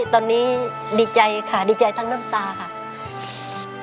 ตอนนี้ดีใจค่ะดีใจทั้งน้ำตาค่ะ